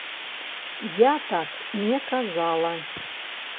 Я так не казала.